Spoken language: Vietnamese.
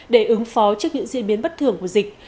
để ứng phó trước những diễn biến bất thường của dịch